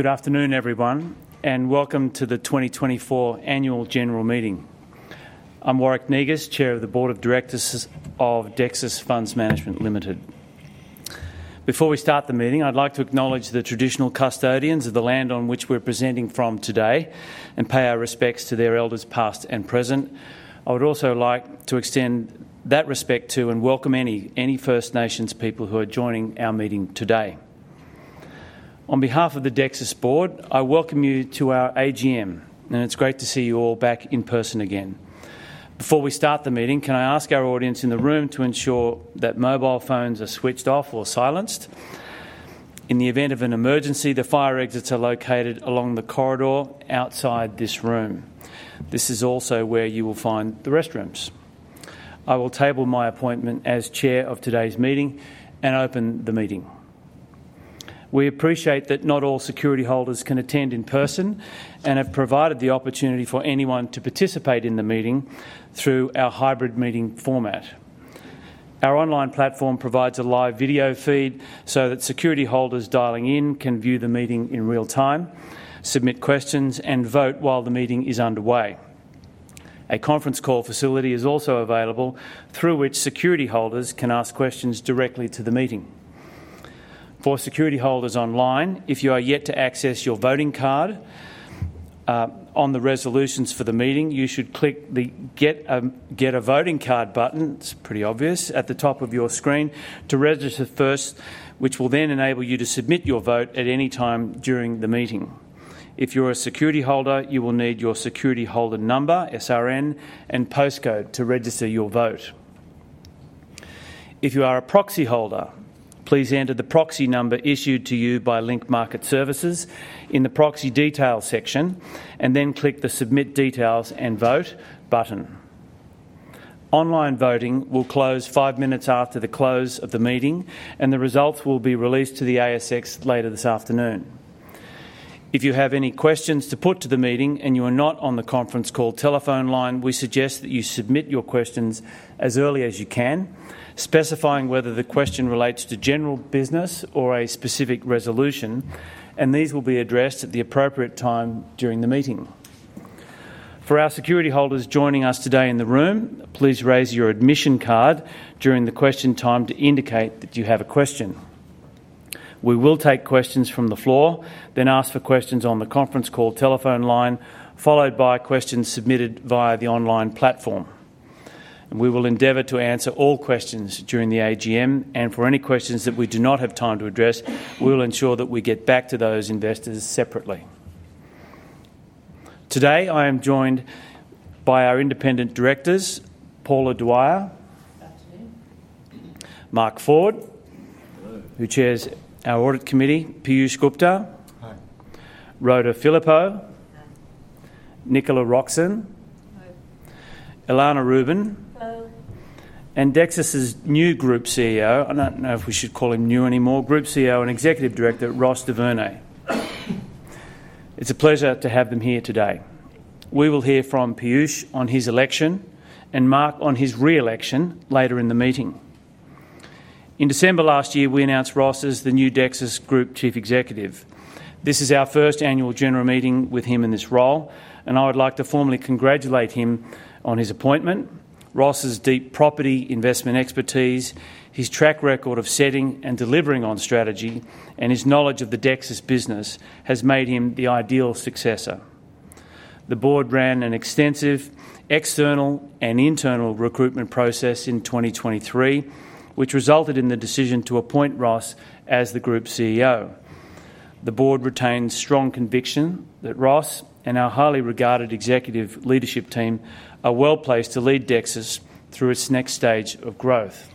Good afternoon everyone and welcome to the 2024 Annual General Meeting. I'm Warwick Negus, Chair of the Board of Directors of Dexus Funds Management Ltd. Before we start the meeting, I'd like to acknowledge the traditional custodians of the land on which we're presenting from today and pay our respects to their elders, past and present. I would also like to extend that respect to and welcome any First Nations people who are joining our meeting today. On behalf of the Dexus Board, I welcome you to our AGM and it's great to see you all back in person. Again. Before we start the meeting, can I ask our audience in the room to ensure that mobile phones are switched off or silenced in the event of an emergency? The fire exits are located along the corridor outside this room. This is also where you will find the restrooms. I will table my appointment as Chair of today's meeting and open the meeting. We appreciate that not all security holders can attend in person and have provided the opportunity for anyone to participate in the meeting through our hybrid meeting format. Our online platform provides a live video feed so that security holders dialing in can view the meeting in real time, submit questions and vote while the meeting is underway. A conference call facility is also available through which security holders can ask questions directly to the meeting. For security holders online, if you are yet to access your voting card on the resolutions for the meeting, you should click the Get a Voting Card button. It's pretty obvious at the top of your screen to register first, which will then enable you to submit your vote at any time during the meeting. If you're a security holder, you will need your security holder number and postcode to register your vote. If you are a proxy holder, please enter the proxy number issued to you by Link Market Services in the Proxy Details section and then click the Submit Details and Vote button. Online voting will close five minutes after the close of the meeting and the results will be released to the ASX later this afternoon. If you have any questions to put to the meeting and you are not on the conference call telephone line, we suggest that you submit your questions as early as you can, specifying whether the question relates to general business or a specific resolution, and these will be addressed at the appropriate time during the meeting. For our security holders joining us today in the room, please raise your admission card during the question time to indicate that you have a question. We will take questions from the floor, then ask for questions on the conference call telephone line, followed by questions submitted via the online platform. We will endeavor to answer all questions during the AGM and for any questions that we do not have time to address, we will ensure that we get back to those investors separately. Today I am joined by our Independent Directors, Paula Dwyer, Mark Ford who chairs our Audit Committee, Piyush Gupta, Rhoda Phillippo, Nicola Roxon, Elana Rubin and Dexus new Group CEO. I don't know if we should call him new anymore. Group CEO and executive director Ross Du Vernet. It's a pleasure to have them here today. We will hear from Piyush on his election and Mark on his re-election later in the meeting. In December last year we announced Ross as the new Dexus Group Chief Executive. This is our first annual general meeting with him in this role and I would like to formally congratulate him on his appointment. Ross's deep property investment expertise, his track record of setting and delivering on strategy and his knowledge of the Dexus business has made him the ideal successor. The Board ran an extensive external and internal recruitment process in 2023 which resulted in the decision to appoint Ross as the Group CEO. The Board retains strong conviction that Ross and our highly regarded executive leadership team are well placed to lead Dexus through its next stage of growth.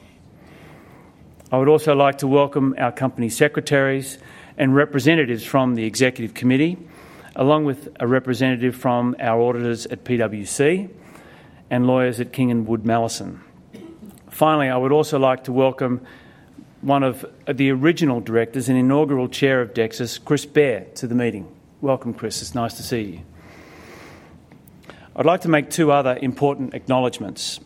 I would also like to welcome our company secretaries and representatives from the Executive Committee along with a representative from our auditors at PwC and lawyers at King & Wood Mallesons. Finally, I would also like to welcome one of the original Directors and Inaugural Chair of Dexus, Chris Beare to the meeting. Welcome Chris, it's nice to see you. I'd like to make two other important acknowledgments.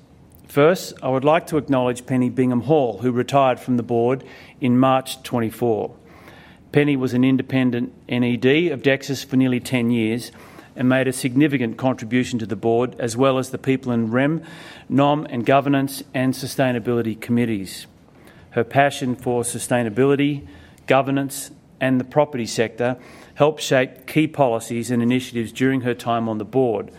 First, I would like to acknowledge Penny Bingham-Hall, who retired from the board in March 2024. Penny was an independent NED of Dexus for nearly 10 years and made a significant contribution to the Board as well as the people in Remuneration and Governance and Sustainability Committees. Her passion for sustainability, governance and the property sector helped shape key policies and initiatives during her time on the board.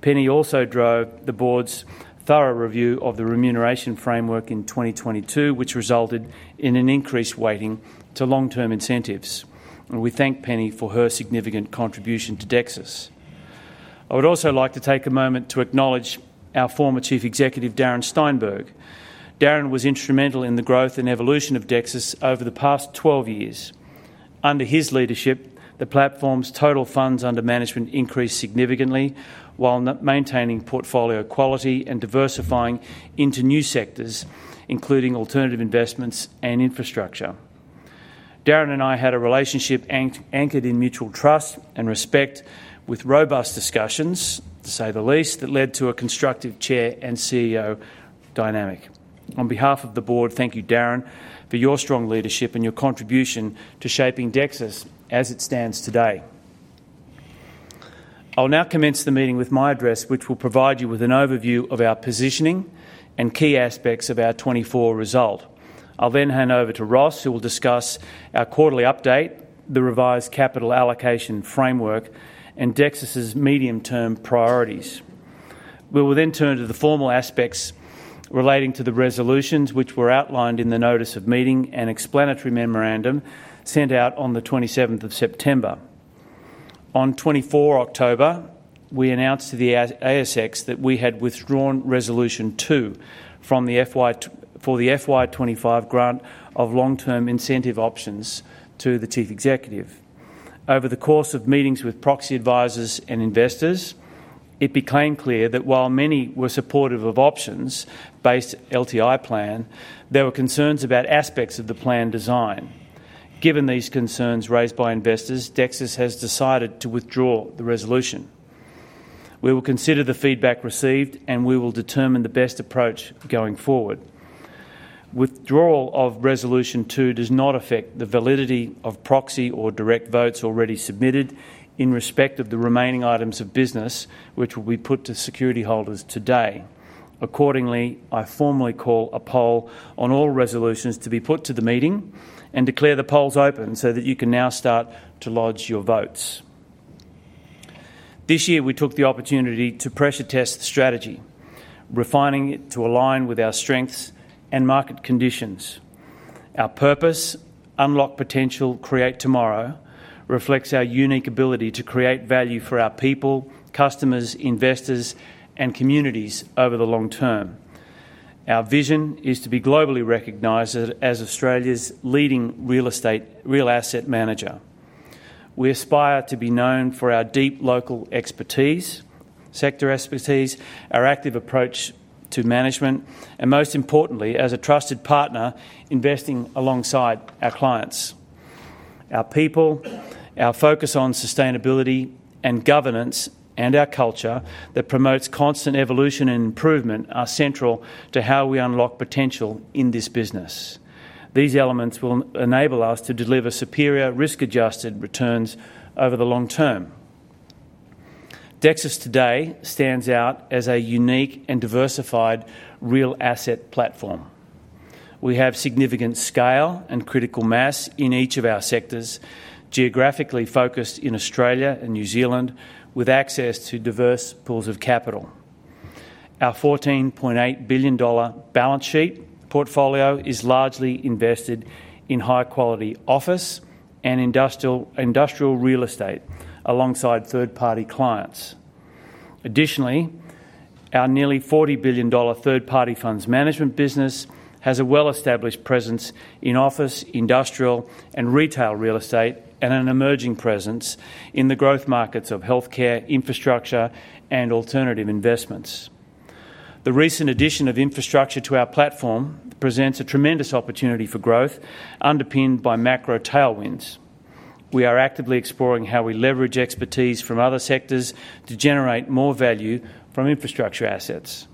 Penny also drove the Board's thorough review of the remuneration framework in 2022 which resulted in an increased weighting to long term incentives. We thank Penny for her significant contribution to Dexus. I would also like to take a moment to acknowledge our former Chief Executive, Darren Steinberg. Darren was instrumental in the growth and evolution of Dexus over the past 12 years. Under his leadership, the platform's total funds under management increased significantly while maintaining portfolio quality and diversifying into new sectors including alternative investments and infrastructure. Darren and I had a relationship anchored in mutual trust and respect with robust discussions to say the least, that led to a constructive Chair and CEO dynamic. On behalf of the Board, thank you Darren for your strong leadership and your contribution to shaping Dexus as it stands today. I will now commence the meeting with my address which will provide you with an overview of our positioning and key aspects of our FY24 result. I'll then hand over to Ross who will discuss our quarterly update, the revised Capital Allocation Framework and Dexus medium term priorities. We will then turn to the formal aspects relating to the resolutions which were outlined in the Notice of Meeting and Explanatory Memorandum sent out on the 27th of September. On the 24th of October we announced to the ASX that we had withdrawn Resolution 2 for the FY25 grant of long term incentive options to the Chief Executive. Over the course of meetings with proxy advisors and investors it became clear that while many were supportive of options based LTI plan, there were concerns about aspects of the plan design. Given these concerns raised by investors, Dexus has decided to withdraw the resolution. We will consider the feedback received and we will determine the best approach going forward. Withdrawal of Resolution 2 does not affect the validity of proxy or direct votes already submitted in respect of the remaining items of business which will be put to security holders today. Accordingly, I formally call a poll on all resolutions to be put to the meeting and declare the polls open so that you can now start to lodge your votes. This year we took the opportunity to pressure test the strategy, refining it to align with our strengths and market conditions. Our purpose Unlock potential, Create Tomorrow reflects our unique ability to create value for our people, customers, investors and communities over the long term. Our vision is to be globally recognized. As Australia's leading real asset manager, we aspire to be known for our deep local expertise, sector expertise, our active approach to management and most importantly as a trusted partner. Investing alongside our clients, our people, our focus on sustainability and governance and our culture that promotes constant evolution and improvement are central to how we unlock potential in this business. These elements will enable us to deliver superior risk-adjusted returns over the long term. Dexus today stands out as a unique and diversified real asset platform. We have significant scale and critical mass in each of our sectors, geographically focused in Australia and New Zealand with access to diverse pools of capital. Our 14.8 billion dollar balance sheet portfolio is largely invested in high-quality office and industrial real estate alongside third-party clients. Additionally, our nearly 40 billion dollar third party funds management business has a well established presence in office, industrial and retail real estate and an emerging presence in the growth markets of healthcare, infrastructure and alternative investments. The recent addition of infrastructure to our platform presents a tremendous opportunity for growth underpinned by macro tailwinds. We are actively exploring how we leverage expertise from other sectors to generate more value from infrastructure assets.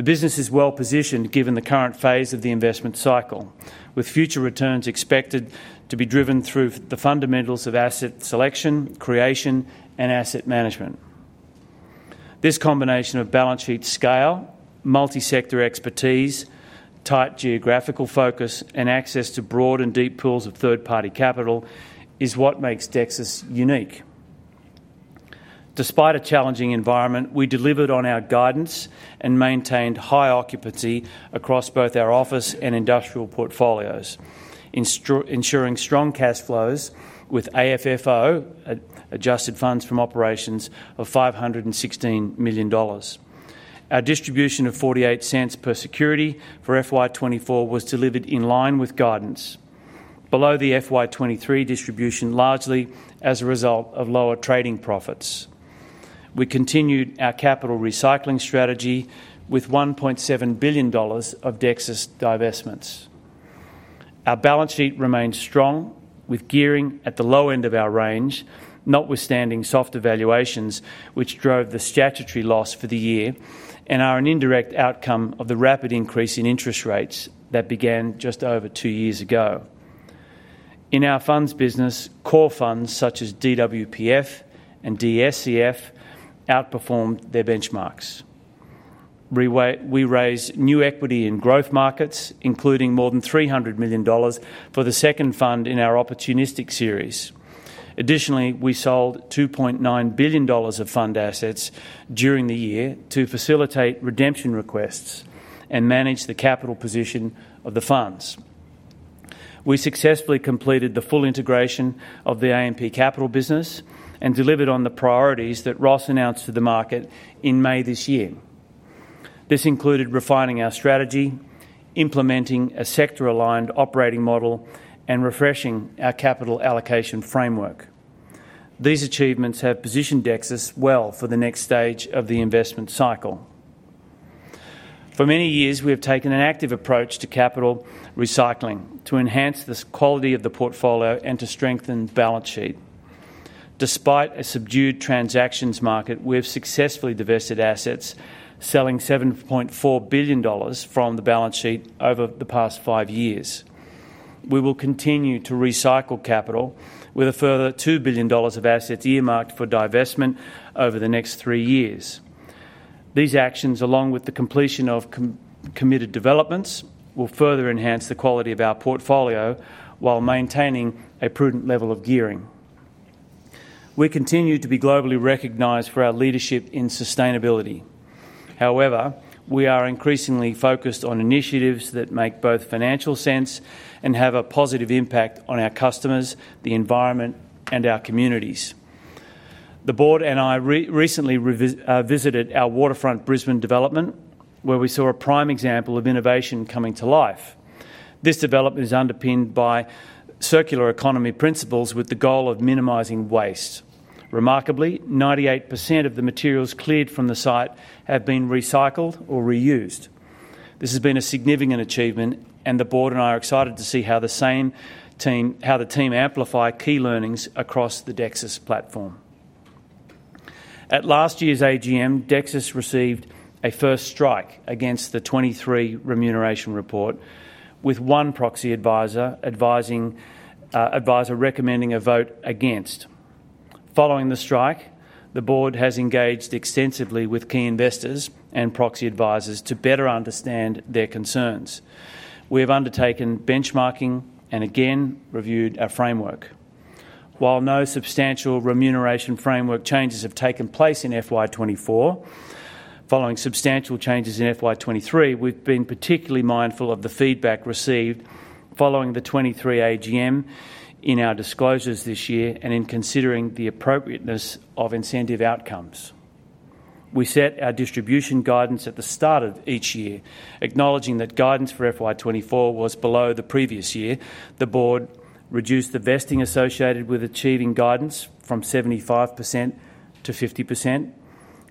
The business is well positioned given the current phase of the investment cycle with future returns expected to be driven through the fundamentals of asset selection, creation and asset management. This combination of balance sheet scale, multi sector expertise, tight geographical focus and access to broad and deep pools of third party capital is what makes Dexus unique. Despite a challenging environment. We delivered on our guidance and maintained high occupancy across both our office and industrial portfolios, ensuring strong cash flows with AFFO adjusted funds from operations of 516 million dollars. Our distribution of 0.48 per security for FY24 was delivered in line with guidance below the FY23 distribution, largely as a result of lower trading profits. We continued our capital recycling strategy with 1.7 billion dollars of Dexus divestments. Our balance sheet remains strong with gearing at the low end of our range notwithstanding soft valuations which drove the statutory loss for the year and are an indirect outcome of the rapid increase in interest rates that began just over two years ago in our funds business. Core funds such as DWPF and DSCF outperformed their benchmarks. We raised new equity in growth markets including more than 300 million dollars for the second fund in our opportunistic series. Additionally, we sold 2.9 billion dollars of fund assets during the year to facilitate redemption requests and manage the capital position of the funds. We successfully completed the full integration of the AMP Capital business and delivered on the priorities that Ross announced to the market and in May this year. This included refining our strategy, implementing a sector aligned operating model and refreshing our capital allocation framework. These achievements have positioned Dexus well for the next stage of the investment cycle. For many years we have taken an active approach to capital recycling to enhance the quality of the portfolio and to strengthen balance sheet. Despite a subdued transactions market, we have successfully divested assets selling 7.4 billion dollars from the balance sheet over the past five years. We will continue to recycle capital with a further 2 billion dollars of assets earmarked for divestment over the next three years. These actions, along with the completion of committed developments will further enhance the quality of our portfolio while maintaining a prudent level of gearing. We continue to be globally recognized for our leadership in sustainability. However, we are increasingly focused on initiatives that make both financial sense and have a positive impact on our customers, the environment and our communities. The Board and I recently visited our Waterfront Brisbane development where we saw a prime example of innovation coming to life. This development is underpinned by circular economy principles with the goal of minimizing waste. Remarkably, 98% of the materials cleared from the site have been recycled or reused. This has been a significant achievement and the Board and I are excited to see how the team amplify key learnings across the Dexus platform. At last year's AGM, Dexus received a first strike against the 2023 remuneration report with one proxy adviser recommending a vote against. Following the strike, the Board has engaged extensively with key investors and proxy advisers to better understand their concerns. We have undertaken benchmarking and again reviewed our framework. While no substantial remuneration framework changes have taken place in FY24 following substantial changes in FY23, we've been particularly mindful of the feedback received following the 2023 AGM in our disclosures this year and in considering the appropriateness of incentive outcomes, we set our distribution guidance at the start of each year. Acknowledging that guidance for FY24 was below the previous year, the Board reduced the vesting associated with achieving guidance from 75% to 50%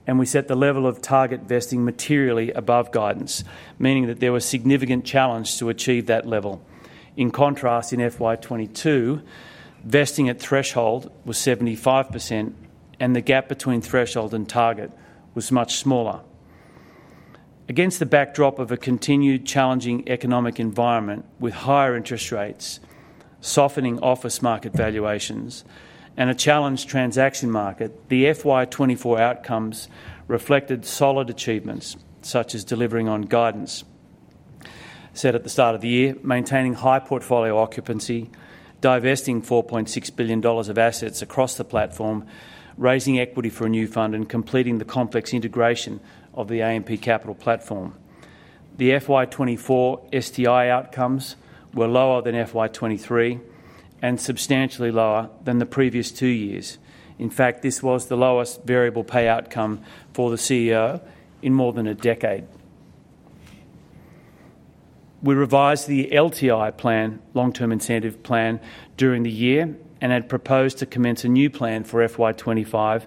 and we set the level of target vesting materially above guidance, meaning that there was significant challenge to achieve that level. In contrast, in FY22, vesting at threshold was 75% and the gap between threshold and target was much smaller. Against the backdrop of a continued challenging economic environment with higher interest rates, softening office market valuations and a challenged transaction market, the FY24 outcomes reflected solid achievements such as delivering on guidance said at the start of the year, maintaining high portfolio occupancy, divesting 4.6 billion dollars of assets across the platform, raising equity for a new fund and completing the complex integration of the AMP Capital platform. The FY24 STI outcomes were lower than FY23 and substantially lower than the previous two years. In fact, this was the lowest variable pay outcome for the CEO in more than a decade. We revised the LTI Plan Long Term Incentive Plan during the year and had proposed to commence a new plan for FY25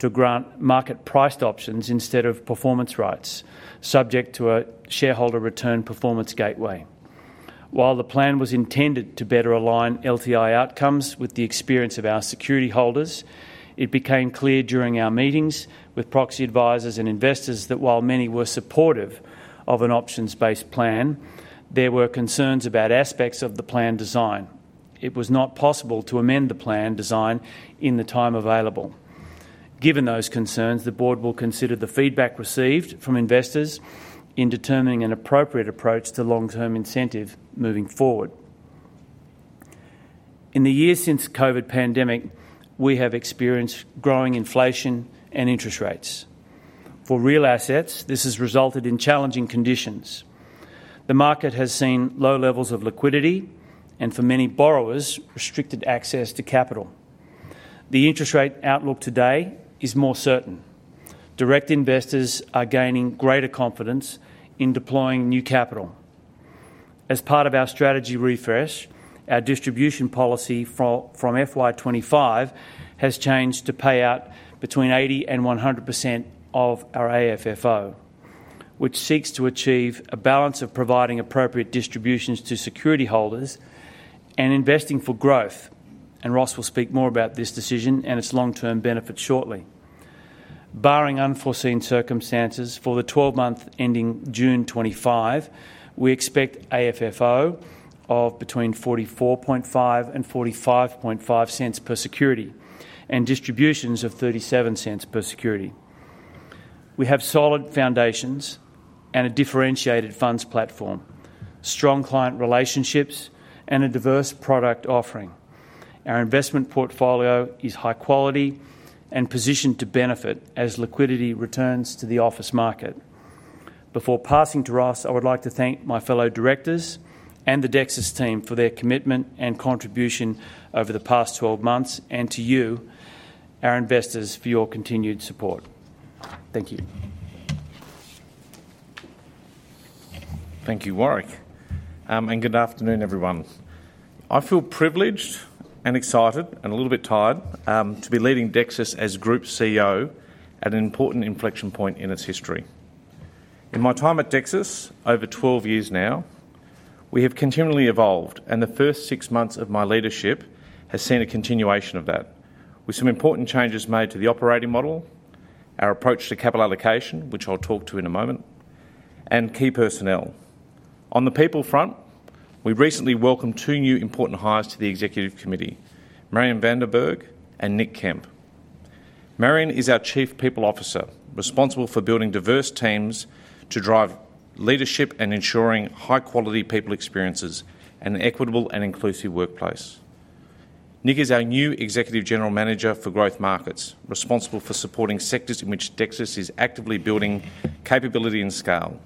to grant more market priced options instead of performance rights subject to a shareholder return performance gateway. While the plan was intended to better align LTI outcomes with the experience of our security holders, it became clear during our meetings with proxy advisers and investors that while many were supportive of an options based plan, there were concerns about aspects of the plan design. It was not possible to amend the plan design in the time available. Given those concerns, the Board will consider the feedback received from investors in determining an appropriate approach to long term incentive moving forward. In the years since the COVID pandemic we have experienced growing inflation and interest rates for real assets. This has resulted in challenging conditions. The market has seen low levels of liquidity and for many borrowers, restricted access to capital. The interest rate outlook today is more certain. Direct investors are gaining greater confidence in deploying new capital as part of our strategy refresh. Our distribution policy from FY25 has changed to pay out between 80%-100% of our AFFO, which seeks to achieve a balance of providing appropriate distributions to security holders and investing for growth, and Ross will speak more about this decision and its long-term benefits shortly. Barring unforeseen circumstances, for the 12-month ending June 2025 we expect AFFO of between 0.445 and 0.455 per security and distributions of 0.37 per security. We have solid foundations and a differentiated funds platform, strong client relationships and a diverse product offering. Our investment portfolio is high quality and positioned to benefit as liquidity returns to the office market. Before passing to Ross, I would like to thank my fellow directors and the Dexus team for their commitment and contribution over the past 12 months and to you, our investors, for your continued support. Thank you. Thank you Warwick and good afternoon everyone. I feel privileged and excited and a little bit tired to be leading Dexus as Group CEO at an important inflection point in its history. In my time at Dexus over 12 years now, we have continually evolved and the first six months of my leadership has seen a continuation of that with some important changes made to the operating model, our approach to capital allocation, which I'll talk to in a moment, and key personnel. On the people front, we recently welcomed two new important hires to the Executive Committee, Marje Musgrave and Nik Kemp. Marje is our Chief People Officer, responsible for building diverse teams to drive leadership and ensuring high quality people experiences and an equitable and inclusive workplace. Nick is our new Executive General Manager for Growth Markets, responsible for supporting sectors in which Dexus is actively building capability and scale,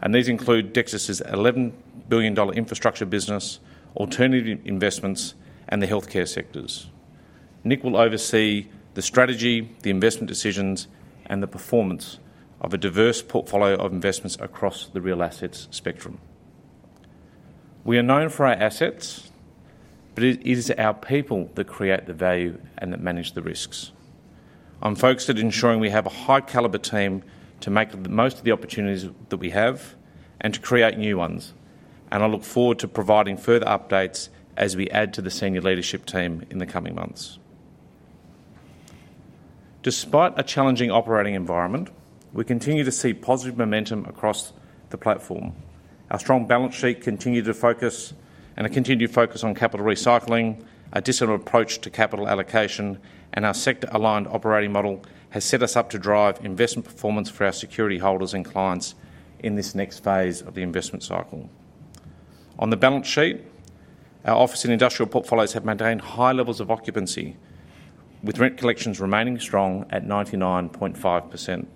and these include Dexus 11 billion dollar infrastructure business, alternative investments and the healthcare sectors. Nick will oversee the strategy, the investment decisions and the performance of a diverse portfolio of investments across the real assets spectrum. We are known for our assets, but it is our people that create the value and that manage the risks. I am focused at ensuring we have a high calibre team to make most of the opportunities that we have and to create new ones, and I look forward to providing further updates as we add to the senior leadership team in the coming months. Despite a challenging operating environment, we continue to see positive momentum across the platform. Our strong balance sheet continues to focus and a continued focus on capital recycling. A disciplined approach to capital allocation and our sector-aligned operating model has set us up to drive investment performance for our security holders and clients in this next phase of the investment cycle. On the balance sheet, our office and industrial portfolios have maintained high levels of occupancy with rent collections remaining strong at 99.5%.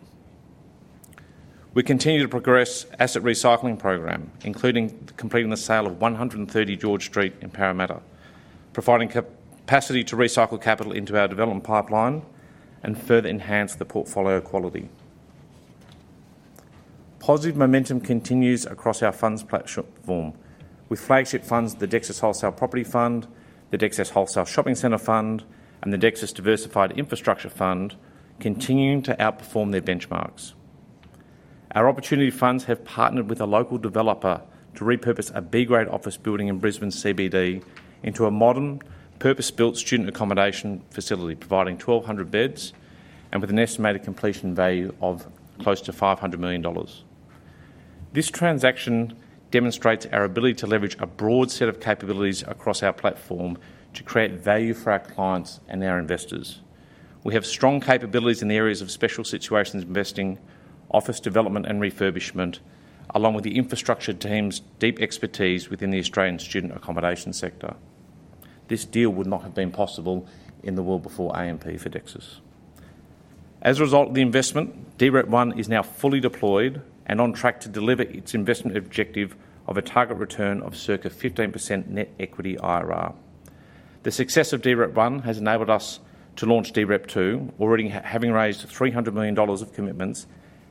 We continue to progress asset recycling program including completing the sale of 130 George Street in Parramatta, providing capacity to recycle capital into our development pipeline and further enhance the portfolio quality. Positive momentum continues across our funds platform with flagship funds, the Dexus Wholesale Property Fund, the Dexus Wholesale Shopping Centre Fund and the Dexus Diversified Infrastructure Fund continuing to outperform their benchmarks. Our Opportunity Funds have partnered with a local developer to repurpose a B grade office building in Brisbane CBD into a modern purpose built student accommodation facility providing 1200 beds and with an estimated completion value of close to 500 million dollars. This transaction demonstrates our ability to leverage a broad set of capabilities across our platform to create value for our clients and our investors. We have strong capabilities in the areas of special situations investing, office development and refurbishment along with the infrastructure team's deep expertise within the Australian student accommodation sector. This deal would not have been possible in the world before AMP for Dexus. As a result of the investment, DREP1 is now fully deployed and on track to deliver its investment objective of a target return of circa 15% net equity IRR. The success of DREP1 has enabled us to launch DREP2 already having raised 300 million dollars of commitments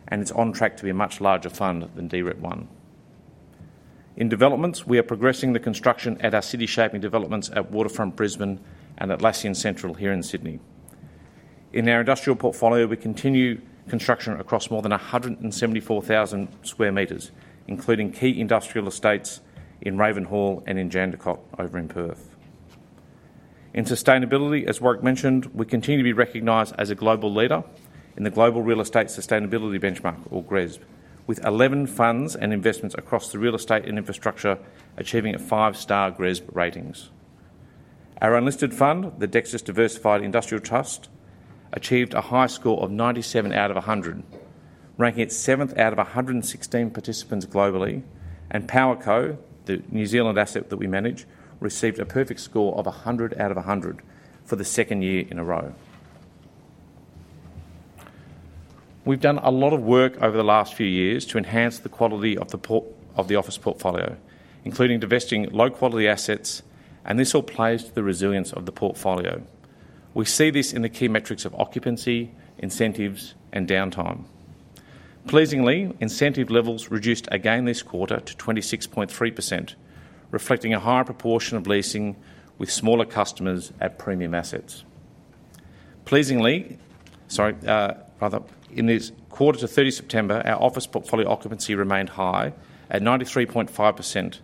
and it's on track to be a much larger fund than DREP1. In developments we are progressing the construction at our city-shaping developments at Waterfront Brisbane and Atlassian Central. Here in Sydney in our industrial portfolio we continue construction across more than 174,000 square meters including key industrial estates in Ravenhall and in Jandakot over in Perth. In sustainability, as Warwick mentioned, we continue to be recognized as a global leader in the Global Real Estate Sustainability Benchmark or GRESB with 11 funds and investments across the real estate and infrastructure achieving 5-star GRESB ratings. Our unlisted fund, the Dexus Diversified Infrastructure Trust achieved a high score of 97 out of 100 ranking it 7th out of 116 participants globally and Powerco, the New Zealand asset that we manage, received a perfect score of 100 out of 100 for the second year in a row. We've done a lot of work over the last few years to enhance the quality of the office portfolio including divesting low quality assets and this all plays to the resilience of the portfolio. We see this in the key metrics of occupancy incentives and downtime. Pleasingly, incentive levels reduced again this quarter to 26.3% reflecting a higher proportion of leasing with smaller customers at premium assets. Pleasingly, in this quarter to 30th September, our office portfolio occupancy remained high at 93.5%,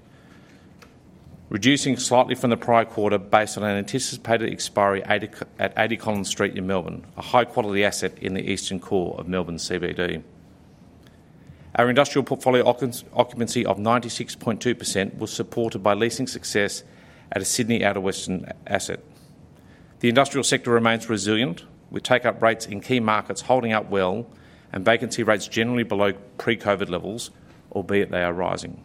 reducing slightly from the prior quarter based on an anticipated expiry at 80 Collins Street in Melbourne, a high-quality asset in the eastern core of Melbourne CBD. Our industrial portfolio occupancy of 96.2% was supported by leasing success at a Sydney outer Western asset. The industrial sector remains resilient with take-up rates in key markets holding up well and vacancy rates generally below pre-COVID levels, albeit they are rising.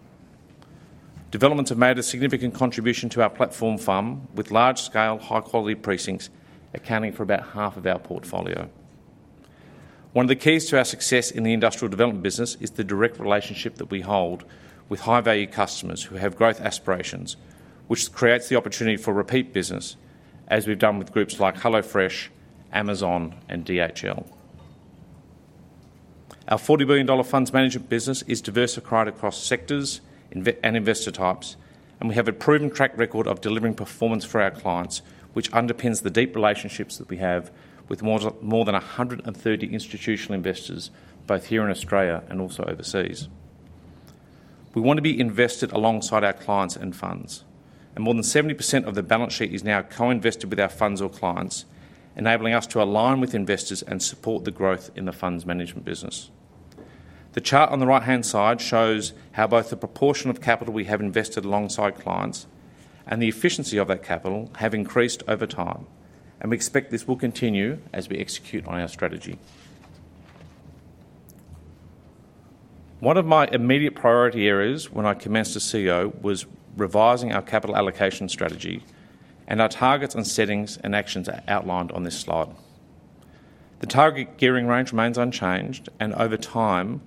Developments have made a significant contribution to our platform with large-scale high-quality precincts accounting for about half of our portfolio. One of the keys to our success in the industrial development business is the direct relationship that we hold with high value customers who have growth aspirations which creates the opportunity for repeat business as we've done with groups like HelloFresh, Amazon and DHL. Our 40 billion dollar funds management business is diversified across sectors and investor types and we have a proven track record of delivering performance for our clients which underpins the deep relationships that we have with more than 130 institutional investors both here in Australia and also overseas. We want to be invested alongside our clients and funds and more than 70% of the balance sheet is now co-invested with our funds or clients enabling us to align with investors and support the growth in the funds management business. The chart on the right hand side shows how both the proportion of capital we have invested alongside clients and the efficiency of that capital have increased over time and we expect this will continue as we execute on our strategy. One of my immediate priority areas when I commenced as CEO was revising our capital allocation strategy and our targets and settings and actions are outlined on this slide. The target gearing range remains unchanged and over time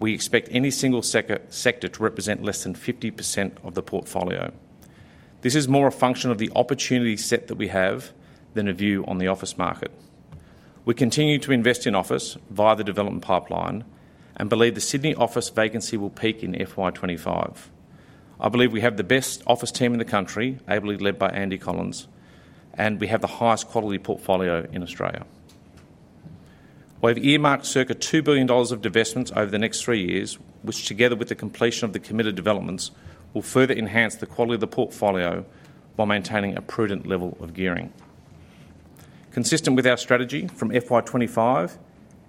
we expect any single sector to represent less than 50% of the portfolio. This is more a function of the opportunity set that we have than a view on the office market. We continue to invest in office via the development pipeline and believe the Sydney office vacancy will peak in FY25. I believe we have the best office team in the country, ably led by Andy Collins and we have the highest quality portfolio in Australia. We have earmarked circa 2 billion dollars of divestments over the next three years which together with the completion of the committed developments will further enhance the quality of the portfolio while maintaining a prudent level of gearing. Consistent with our strategy from FY25,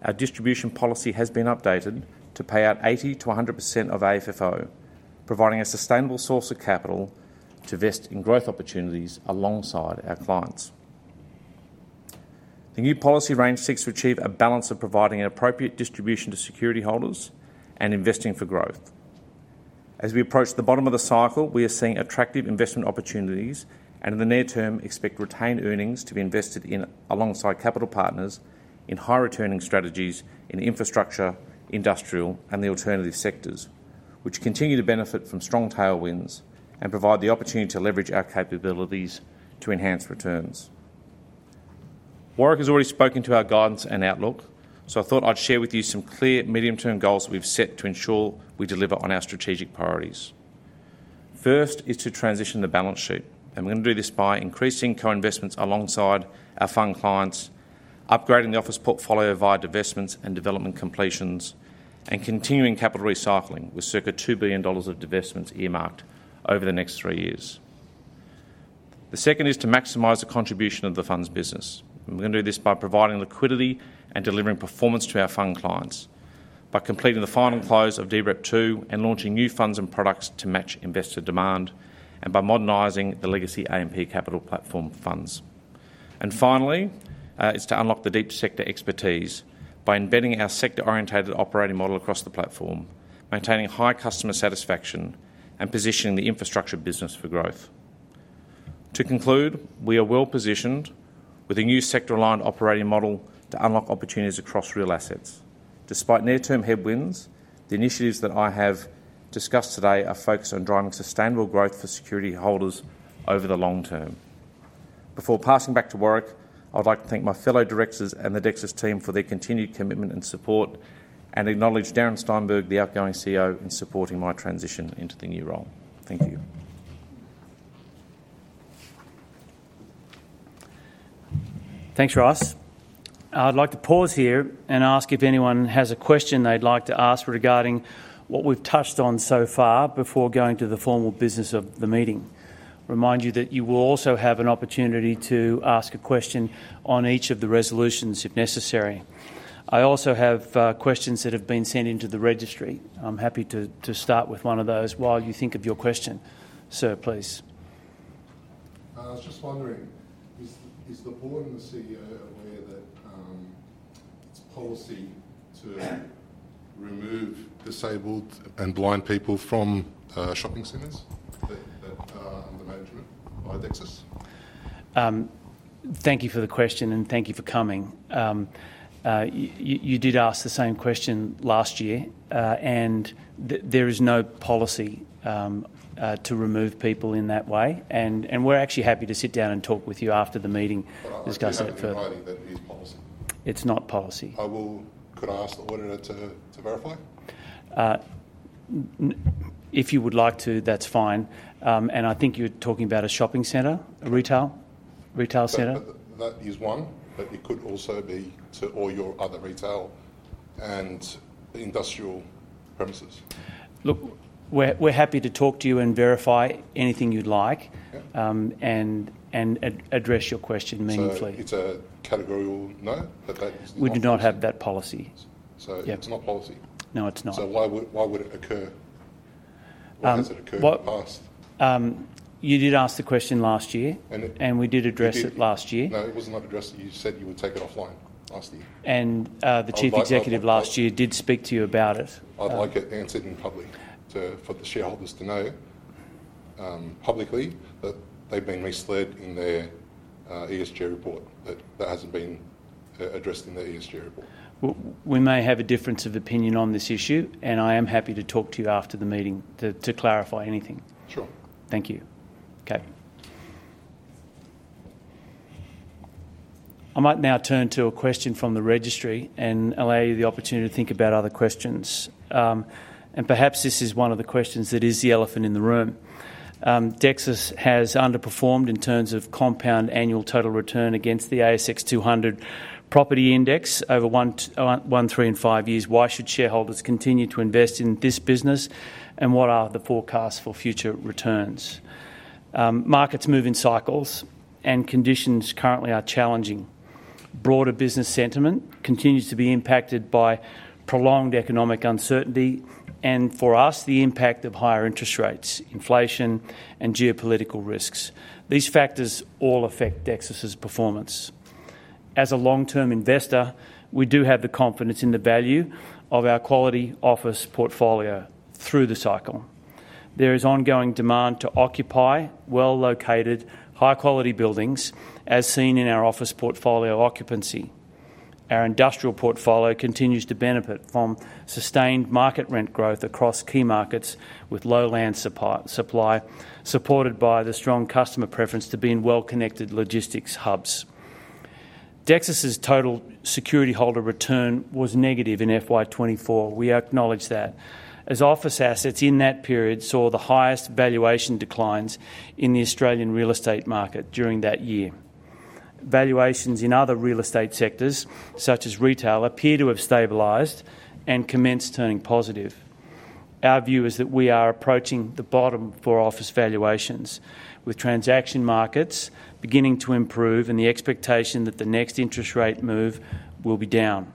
our distribution policy has been updated to pay out 80%-100% of AFFO, providing a sustainable source of capital to invest in growth opportunities alongside our clients. The new policy range seeks to achieve a balance of providing an appropriate distribution to security holders and investing for growth. As we approach the bottom of the cycle we are seeing attractive investment opportunities and in the near term expect retained earnings to be invested in alongside capital partners in high returning strategies in infrastructure, industrial and the alternative sectors which continue to benefit from strong tailwinds and provide the opportunity to leverage our capabilities to enhance returns. Warwick has already spoken to our guidance and outlook so I thought I'd share with you some clear medium term goals we've set to ensure we deliver on our strategic priorities. First is to transition the balance sheet and we're going to do this by increasing co investments alongside our fund clients, upgrading the office portfolio via divestments and development completions and continuing capital recycling with circa 2 billion dollars of divestments earmarked over the next three years. The second is to maximize the contribution of the funds business. We can do this by providing liquidity and delivering performance to our fund clients by completing the final close of DREP2 and launching new funds and products to match investor demand and by modernizing the legacy AMP Capital platform funds. And finally, it's to unlock the deep sector expertise by embedding our sector oriented operating model across the platform, maintaining high customer satisfaction and positioning the infrastructure business for growth. To conclude, we are well positioned with a new sector aligned operating model to unlock opportunities across real assets. Despite near term headwinds, the initiatives that I have discussed today are focused on driving sustainable growth for security holders over the long term. Before passing back to Warwick, I'd like to thank my fellow directors and the Dexus team for their continued commitment and support and acknowledge Darren Steinberg, the outgoing CEO, in supporting my transition into the new role. Thank you. Thanks, Ross. I'd like to pause here and ask if anyone has a question they'd like to ask regarding what we've touched on so far before going to the formal business of the meeting. Remind you that you will also have an opportunity to ask a question on each of the resolutions, if necessary. I also have questions that have been sent into the registry. I'm happy to start with one of those while you think of your question. Sir, please. I was just wondering, is the board and the CEO aware that it's policy to remove disabled and blind people from shopping centers that are under management by Dexus? Thank you for the question and thank you for coming. You did ask the same question last year and there is no policy to remove people in that way. And we're actually happy to sit down and talk with you after the meeting, discuss it for. It's not policy. I will. Could I ask the auditor to verify? If you would like to, that's fine. And I think you're talking about a shopping center. Retail. Retail center, that is one but it could also be to all your other retail and industrial premises. Look, we're happy to talk to you and verify anything you'd like and address your question meaningfully. It's a categorical no? we do not have that policy. It's not policy. No, it's not. Why would it occur? Occur? Does it occur? You did ask the question last year and we did address it last year. No, it was not addressed. You said you would take it offline. Last year, and the Chief Executive last year did speak to you about it. I'd like it answered in public. For the shareholders to know publicly that they've been misled in their ESG report. That hasn't been addressed in the ESG report. We may have a difference of opinion on this issue and I am happy to talk to you after the meeting to clarify anything. Sure. Thank you. Okay. I might now turn to a question from the registry and allow you the opportunity to think about other questions, and perhaps this is one of the questions that is the elephant in the room. Dexus has underperformed in terms of compound annual total return against the ASX 200 property index over one, three and five years. Why should shareholders continue to invest in this business, and what are the forecasts for future returns? Markets move in cycles and conditions currently are challenging. Broader business sentiment continues to be impacted by prolonged economic uncertainty and for us, the impact of higher interest rates, inflation and geopolitical risks. These factors all affect Dexus performance as a long term investor. We do have the confidence in the value of our quality office portfolio through the cycle. There is ongoing demand to occupy well located high quality buildings as seen in our office portfolio occupancy. Our industrial portfolio continues to benefit from sustained market rent growth across key markets with low land supply supported by the strong customer preference to be in well connected logistics hubs. Dexus total security holder return was negative in FY24. We acknowledge that as office assets in that period saw the highest valuation declines in the Australian real estate market during that year. Valuations in other real estate sectors such as retail appear to have stabilized and commenced turning positive. Our view is that we are approaching the bottom for office valuations. With transaction markets beginning to improve and the expectation that the next interest rate move will be down,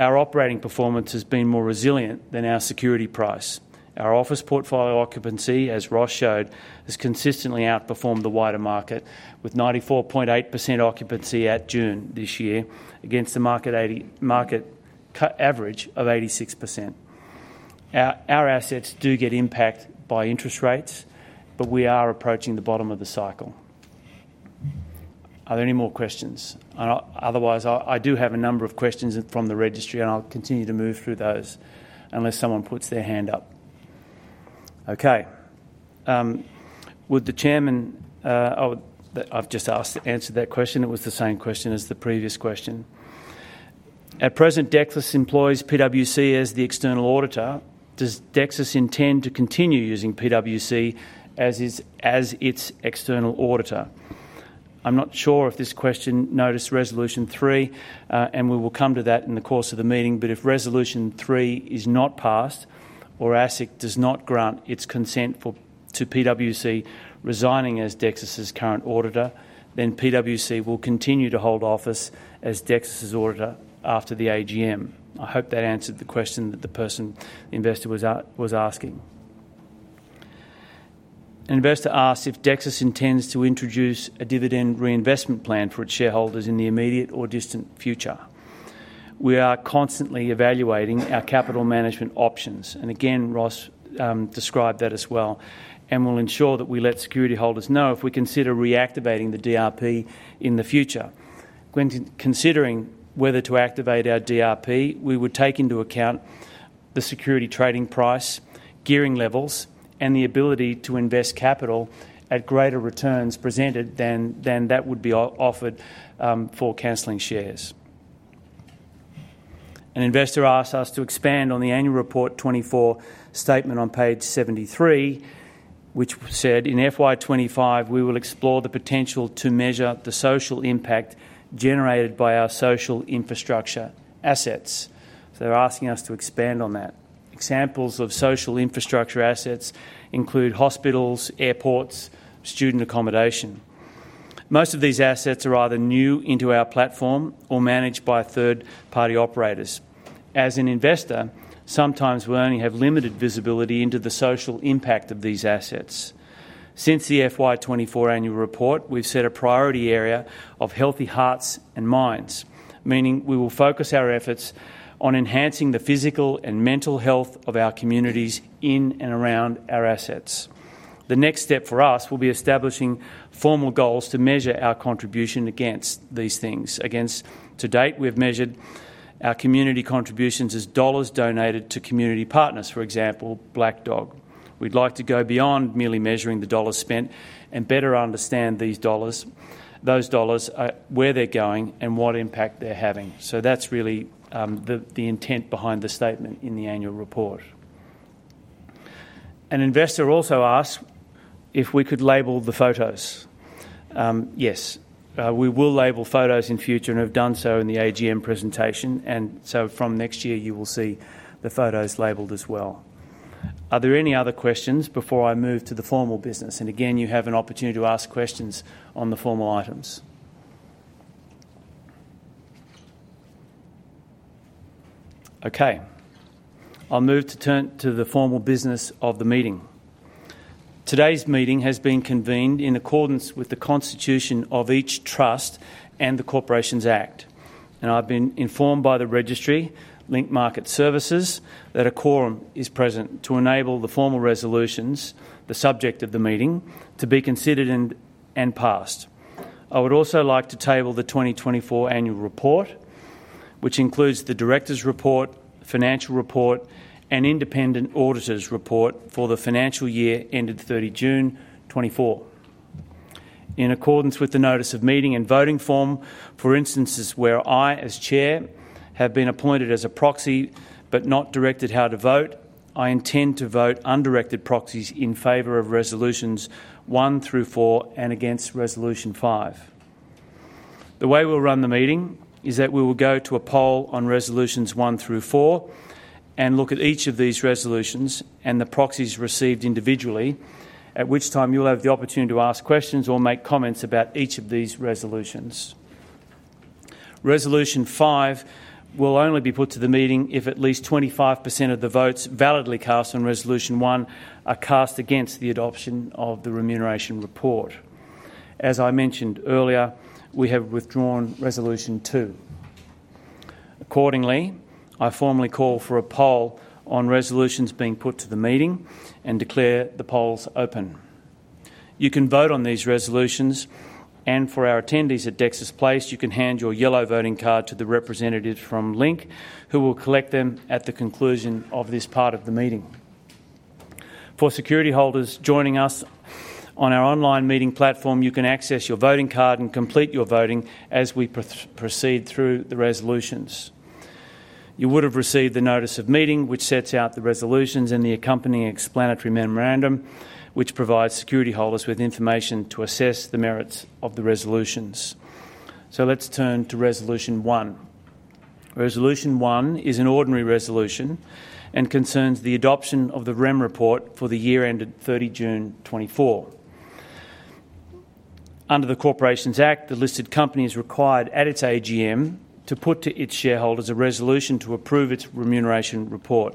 our operating performance has been more resilient than our security price. Our office portfolio occupancy, as Ross showed, has consistently outperformed the wider market with 94.8% occupancy at June this year against the market average of 86%. Our assets do get impacted by interest rates, but we are approaching the bottom of the cycle. Are there any more questions otherwise? I do have a number of questions from the registry and I'll continue to move through those unless someone puts their hand up. Okay. Would the Chairman? I've just answered that question. It was the same question as the previous question. At present, Dexus employs PwC as the external auditor. Does Dexus intend to continue using PwC as its external auditor? I'm not sure if this question noticed Resolution three and we will come to that in the course of the meeting. But if Resolution three is not passed or ASIC does not grant its consent to PwC resigning as Dexus current auditor, then PwC will continue to hold office as Dexus auditor after the AGM. I hope that answered the question that the person investor was asking. An investor asked if Dexus intends to introduce a dividend reinvestment plan for its shareholders in the immediate or distant future. We are constantly evaluating our capital management options and again Ross described that as well. We'll ensure that we let security holders know if we consider reactivating the DRP and in the future considering whether to activate our DRP. We would take into account the security trading price gearing levels and the ability to invest capital at greater returns presented than that would be offered for cancelling shares. An investor asked us to expand on the Annual Report 2024 statement on page 73 which said in FY25 we will explore the potential to measure the social impact generated by our social infrastructure assets. So they're asking us to expand on that. Examples of social infrastructure assets include hospitals, airports, student accommodation. Most of these assets are either new into our platform or managed by third party operators. As an investor, sometimes we only have limited visibility into the social impact of these assets. Since the FY24 annual report, we've set a priority area of healthy hearts and minds, meaning we will focus our efforts on enhancing the physical and mental health of our communities in and around our assets. The next step for us will be establishing formal goals to measure our contribution against these things. To date, we have measured our community contributions as dollars donated to community partners, for example Black Dog. We'd like to go beyond merely measuring the dollars spent and better understand those dollars, where they're going and what impact they're having. So that's really the intent behind the statement. In the Annual Report, an investor also asked if we could label the photos. Yes, we will label photos in future and have done so in the AGM presentation. And so from next year you will see the photos labeled as well. Are there any other questions before I move to the formal business? And again you have an opportunity to ask questions on the formal items. Okay, I'll now turn to the formal business of the meeting. Today's meeting has been convened in accordance with the Constitution of each Trust and the Corporations Act and I've been informed by the Registry Link Market Services that a quorum is present to enable the formal resolutions the subject of the meeting to be considered and passed. I would also like to table the 2024 annual report which includes the Director's Report, Financial Report and Independent Auditor's Report for the financial year ended 30 June 2024 in accordance with the Notice of Meeting and Voting Form. For instances where I as Chair have been appointed as a proxy but not directed how to vote, I intend to vote undirected proxies in favor of Resolutions one through four and against Resolution five. The way we will run the meeting is that we will go to a poll on resolutions one through four and look at each of these resolutions and the proxies received individually, at which time you will have the opportunity to ask questions or make comments about each of these resolutions. Resolution 5 will only be put to the meeting if at least 25% of the votes validly cast on Resolution one are cast against the adoption of the remuneration report. As I mentioned earlier, we have withdrawn Resolution two. Accordingly, I formally call for a poll on resolutions being put to the meeting and declare the polls open. You can vote on these resolutions and for our attendees at Dexus Place, you can hand your yellow voting card to the representative from Link who will collect them at the conclusion of this part of the meeting. For security holders joining us on our online meeting platform, you can access your voting card and complete your voting as we proceed through the resolutions. You would have received the Notice of Meeting which sets out the resolutions and the accompanying explanatory memorandum which provides security holders with information to assess the merits of the resolutions. Let's turn to Resolution 1. Resolution 1 is an ordinary resolution and concerns the adoption of the remuneration report for the year ended 30 June 2024. Under the Corporations Act, the listed company is required at its AGM to put to its shareholders a resolution to approve its remuneration report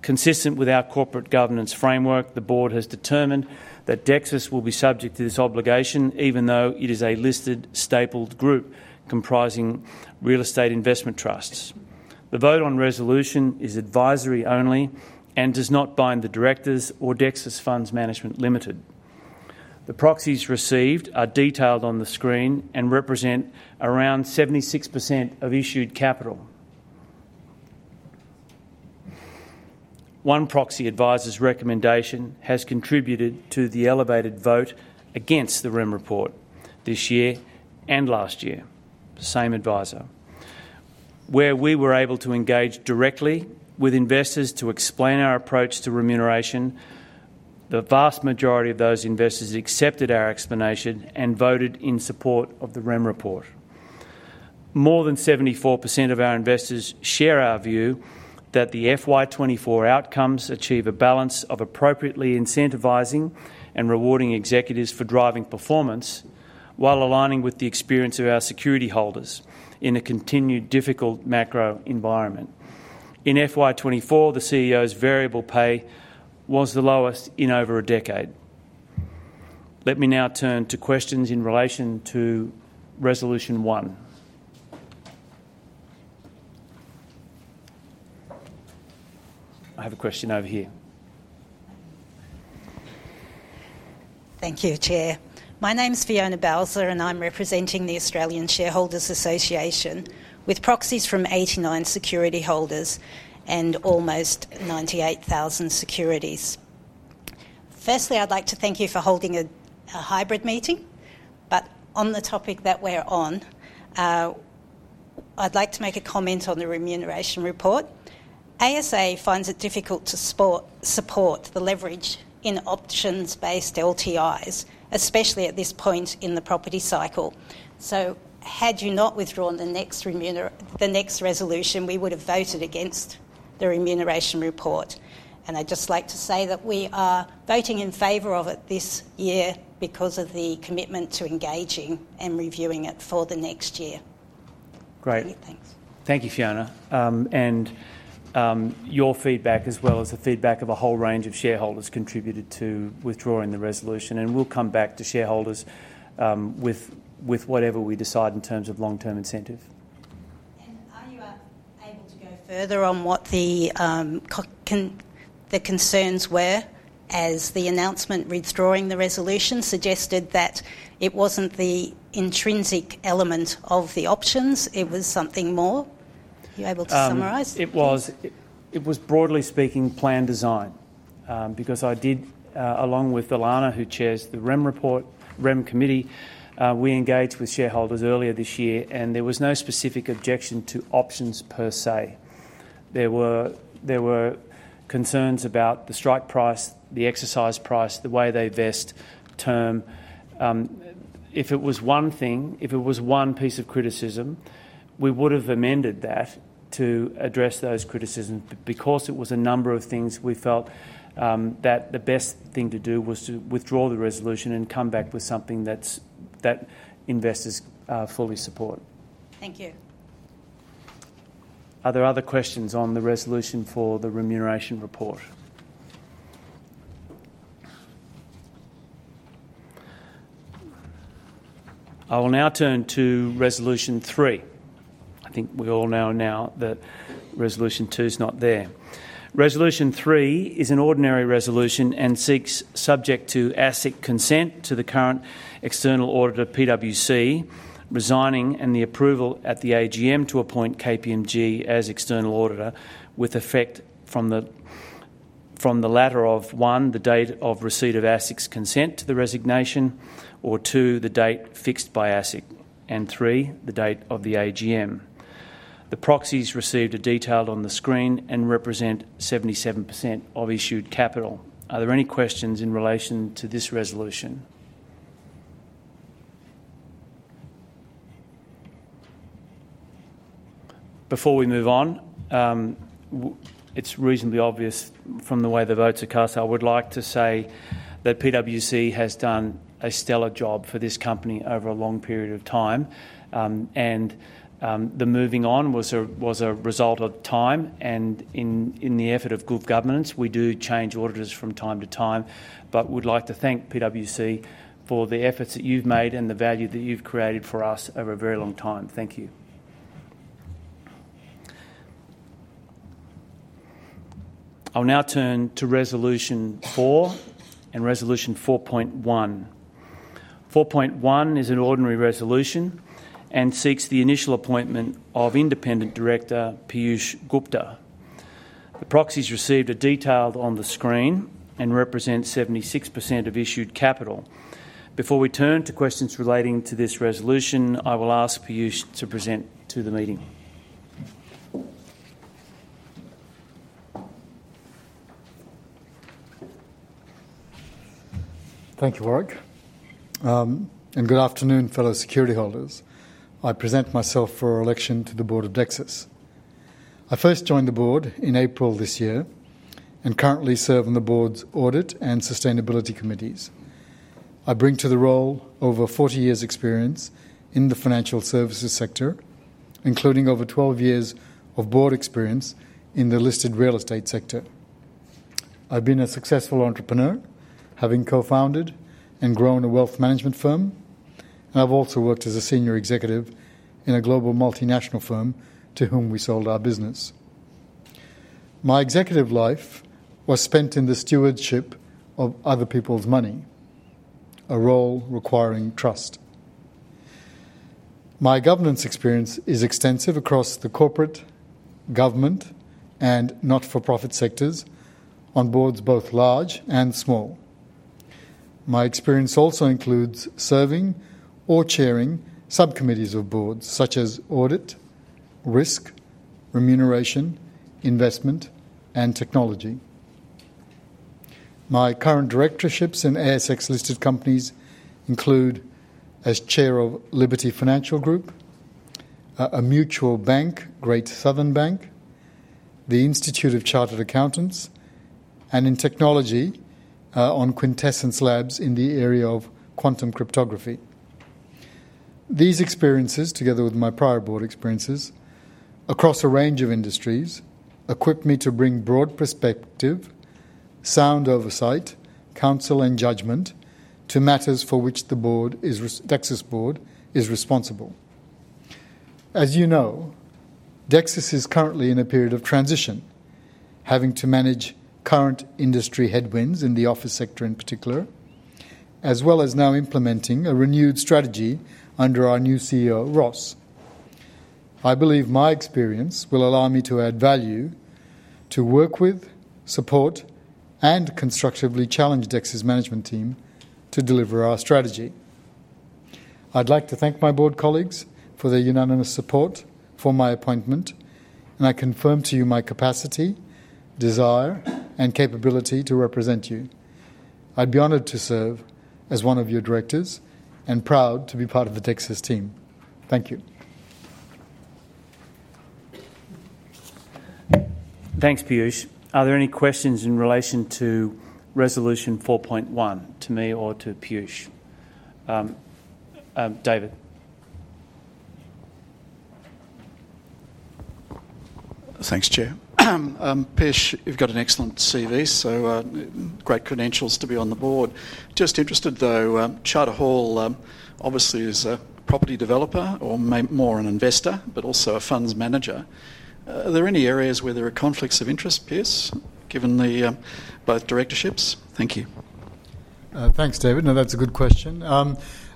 consistent with our corporate governance framework. The Board has determined that Dexus will be subject to this obligation even though it is a listed stapled group comprising real estate investment trusts. The vote on resolution is advisory only and does not bind the directors or Dexus Funds Management Ltd. The proxies received are detailed on the screen and represent around 76% of issued capital. One proxy adviser's recommendation has contributed to the elevated vote against the REM report this year and last year. Same adviser where we were able to engage directly with investors to explain our approach to remuneration. The vast majority of those investors accepted our explanation and voted in support of the REM report. More than 74% of our investors share our view that the FY24 outcomes achieve a balance of appropriately incentivizing and rewarding executives for driving performance while aligning with the experience of our security holders in a continued difficult macro environment. In FY24 the CEO's variable pay was the lowest in over a decade. Let me now turn to questions in relation to Resolution 1. I have a question over here. Thank you, Chair. My name is Fiona Balzer and I'm representing the Australian Shareholders' Association with proxies from 89 security holders and almost 98,000 securities. Firstly, I'd like to thank you for holding a hybrid meeting, but on the topic that we're on, I'd like to make a comment on the remuneration report. ASA finds it difficult to support the leverage in options based LTIs, especially at this point in the property cycle. So had you not withdrawn the next resolution, we would have voted against the remuneration report and I'd just like to say that we are voting in favor of it this year because of the commitment to engaging and reviewing it for the next year. Great, thanks. Thank you, Fiona. And your feedback as well as the feedback of a whole range of shareholders contributed to withdrawing the resolution. And we'll come back to shareholders with whatever we decide in terms of long term incentive. Are you able to go further on what the concerns were as the announcement withdrawing the resolution suggested that it wasn't the intrinsic element of the options, it was something more? Were you able to summarize it? It was broadly speaking plan design, because I did, along with Elana who chairs the Remuneration Committee. We engaged with shareholders earlier this year and there was no specific objection to options per se. There were concerns about the strike price, the exercise price, the way they vesting terms. If it was one thing, if it was one piece of criticism, we would have amended that to address those criticisms because it was a number of things. We felt that the best thing to do was to withdraw the resolution and come back with something that investors fully support. Thank you. Are there other questions on the resolution for the remuneration report? I will now turn to resolution three. I think we all know now that resolution two is not there. Resolution three is an ordinary resolution and seeks subject to ASIC consent to the current external auditor, PwC resigning and the approval at the AGM to appoint KPMG as external auditor with effect from the latter of one the date of receipt of ASIC's consent to the resignation or two the date fixed by ASIC and three the date of the AGM. The proxies received are detailed on the screen and represent 77% of issued capital. Are there any questions in relation to this resolution? Before we move on? It's reasonably obvious from the way the votes are cast. I would like to say that PwC has done a stellar job for this company over a long period of time and the moving on was a result of time and in the effort of good governance. We do change auditors from time to time but would like to thank PwC for the efforts that you've made and the value that you've created for us over a very long time. Thank you. I'll now turn to Resolution 4 and Resolution 4.1. 4.1 is an ordinary resolution and seeks the initial appointment of Independent Director Piyush Gupta. The proxies received are detailed on the screen and represent 76% of issued capital. Before we turn to questions relating to this resolution, I will ask you to present to the meeting. Thank you Warwick and good afternoon, fellow security holders. I present myself for election to the Board of Dexus. I first joined the Board in April this year and currently serve on the Board's audit and sustainability committees. I bring to the role over 40 years experience in the financial services sector, including over 12 years of board experience in the listed real estate sector. I've been a successful entrepreneur, having co-founded and grown a wealth management firm and I've also worked as a senior executive in a global multinational firm to whom we sold our business. My executive life was spent in the stewardship of other people's money, a role requiring trust. My governance experience is extensive across the corporate, government and not-for-profit sectors on boards both large and small. My experience also includes serving or chairing subcommittees of boards such as Audit, Risk, Remuneration, Investment and Technology. My current directorships in ASX listed companies include as chair of Liberty Financial Group, a mutual bank, Great Southern Bank, the Institute of Chartered Accountants, and in technology on QuintessenceLabs in the area of quantum cryptography. These experiences, together with my prior board experiences across a range of industries, equipped me to bring broad perspective, sound oversight, counsel and judgment to matters for which the Dexus board is responsible. As you know, Dexus is currently in a period of transition, having to manage current industry headwinds in the office sector in particular, as well as now implementing a renewed strategy under our new CEO Ross. I believe my experience will allow me to add value, to work with, support and constructively challenge Dexus's management team to deliver our strategy. I'd like to thank my board colleagues for their unanimous support for my appointment and I confirm to you my capacity, desire and capability to represent you. I'd be honored to serve as one of your directors and proud to be part of the Dexus team. Thank you. Thanks Piyush. Are there any questions in relation to resolution 4.1 to me or to Piyush? David? Thanks, Chair Piyush. You've got an excellent CV, so great credentials to be on the board. Just interested though. Charter Hall obviously is a property developer or more an investor, but also a funds manager. Are there any areas where there are conflicts of interest? Piyush, given both directorships? Thank you. Thanks, David. No, that's a good question.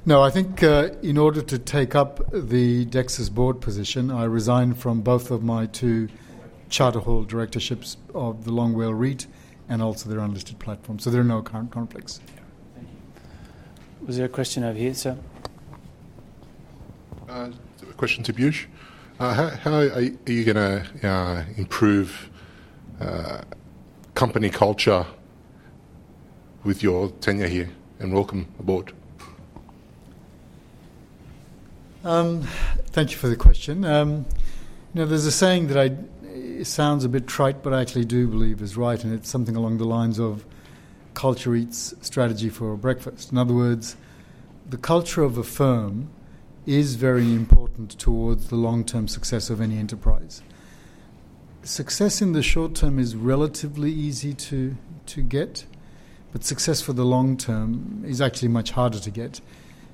No, I think in order to take up the Dexus's board position, I resigned from both of my two Charter Hall directorships of the Long WALE REIT and also their unlisted platform. So there are no current conflicts. Was there a question over here, sir? A question to Piyush. How are you going to improve company culture with your tenure here? And welcome aboard. Thank you for the question. Now there's a saying that sounds a bit trite, but I actually do believe is right. And it's something along the lines of culture eats strategy for breakfast. In other words, the culture of a firm is very important towards the long-term success of any enterprise. Success in the short term is relatively easy to get, but success for the long term is actually much harder to get.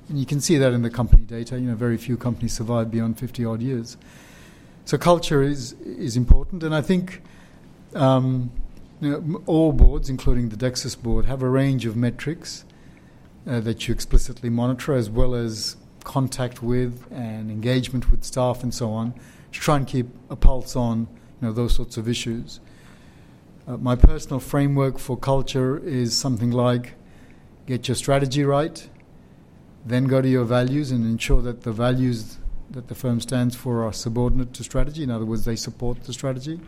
And you can see that in the company data. You know, very few companies survive beyond 50-odd years, so culture is important. And I think all boards, including the Dexus board, have a range of metrics that you explicitly monitor, as well as contact with and engagement with staff and so on to try and keep a pulse on those sorts of issues. My personal framework for culture is something like get your strategy right, then go to your values and ensure that the values that the firm stands for are subordinate to strategy. In other words, they support the strategy.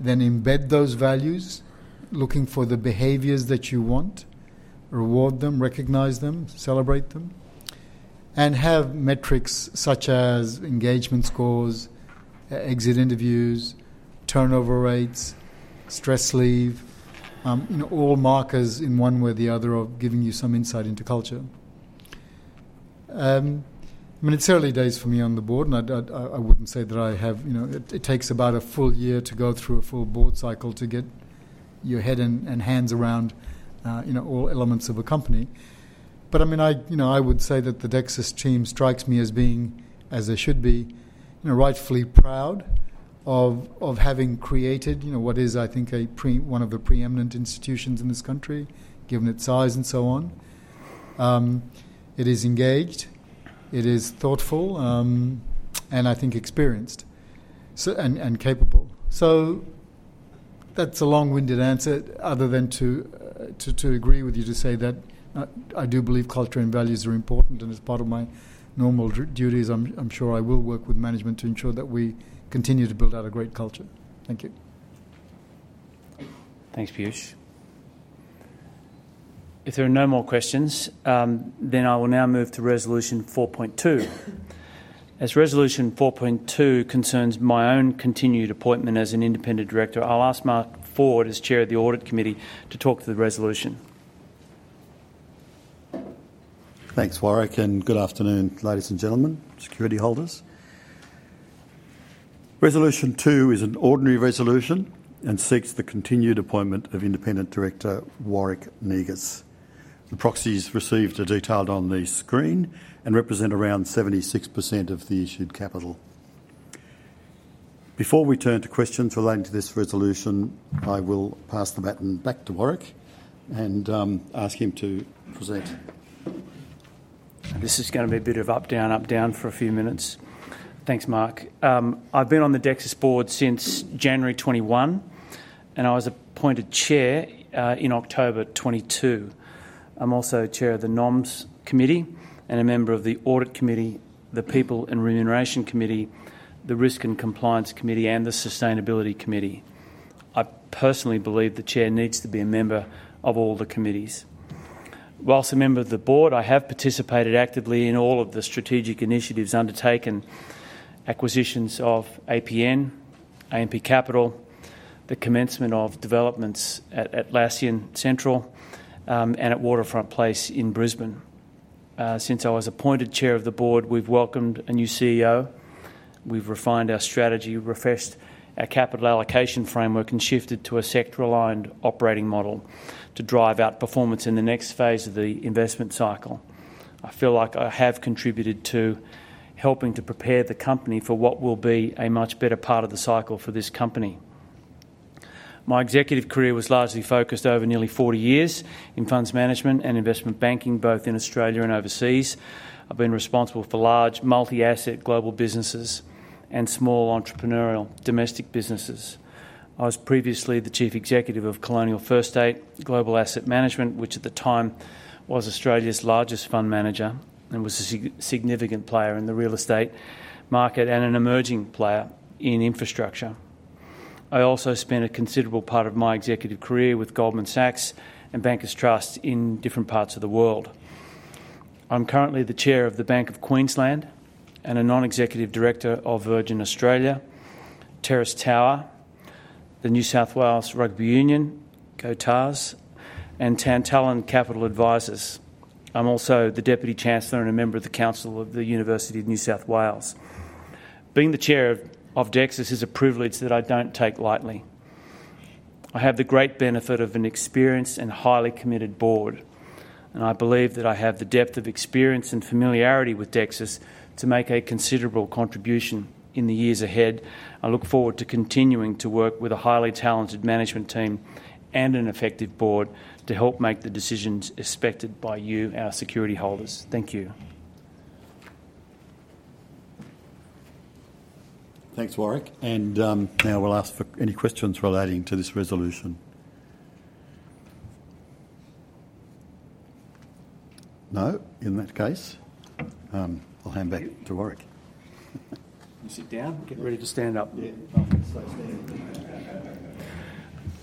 Then embed those values, looking for the behaviors that you want, reward them, recognize them, celebrate them, and have metrics such as engagement scores, exit interviews, turnover rates, stress, leave all markers in one way or the other of giving you some insight into culture. I mean, it's early days for me on the board and I wouldn't say that I have, you know, it takes about a full year to go through a full board cycle to get your head and hands around all elements of a company. But I mean, I would say that the Dexus team strikes me as being as they should be, rightfully proud of having created what is, I think, one of the preeminent institutions in this country, given its size and so on. It is engaged, it is thoughtful and I think, experienced and capable. So that's a long-winded answer, other than to agree with you, to say that I do believe culture and values are important and as part of my normal duties, I'm sure I will work with management to ensure that we continue to build out a great culture. Thank you. Thanks, Piyush. If there are no more questions, then I will now move to resolution 4.2. As resolution 4.2 concerns my own continued appointment as an Independent Director, I'll ask Mark Ford as Chair of the Audit Committee, to talk through the resolution. Thanks, Warwick, and good afternoon, ladies and gentlemen, security holders. Resolution 2 is an ordinary resolution and seeks the continued appointment of Independent Director Warwick Negus. The proxies received are detailed on the screen and represent around 76% of the issued capital. Before we turn to questions relating to this resolution, I will pass the baton back to Warwick and ask him to present. This is going to be a bit of up, down, up, down for a few minutes. Thanks, Mark. I've been on the Dexus board since January 21st and I was appointed chair in October 2022. I'm also chair of the Nominations committee and a member of the Audit Committee, the People and Remuneration Committee, the Risk and Compliance Committee and the Sustainability Committee. I personally believe the Chair needs to be a member of all the committees. While a member of the Board, I have participated actively in all of the strategic initiatives undertaken. Acquisitions of AMP Capital, the commencement of developments at Atlassian Central and at Waterfront Brisbane in Brisbane. Since I was appointed Chair of the Board, we've welcomed a new CEO. We've refined our strategy, refreshed our capital allocation framework and shifted to a sector aligned operating model to drive out performance in the next phase of the investment cycle. I feel like I have contributed to helping to prepare the company for what will be a much better part of the cycle for this company. My executive career was largely focused over nearly 40 years in funds management and investment banking both in Australia and overseas. I've been responsible for large multi asset global businesses and small entrepreneurial domestic businesses. I was previously the Chief Executive of Colonial First State Global Asset Management which at the time was Australia's largest fund manager and was a significant player in the real estate market and an emerging player in infrastructure. I also spent a considerable part of my executive career with Goldman Sachs and Bankers Trust in different parts of the world. I'm currently the Chair of the Bank of Queensland and a Non-Executive Director of Virgin Australia, Terrace Tower, the New South Wales Rugby Union and Tantallon Capital Advisors. I'm also the Deputy Chancellor and a member of the Council of the University of New South Wales. Being the Chair of Dexus is a privilege that I don't take lightly. I have the great benefit of an experienced and highly committed board and I believe that I have the depth of experience and familiarity with Dexus to make a considerable contribution in the years ahead. I look forward to continuing to work with a highly talented management team and an effective board to help make the decisions expected by you, our security holders. Thank you. Thanks, Warwick. And now we'll ask for any questions relating to this resolution. No. In that case, I'll hand back to Warwick. Sit down. Get ready to stand up.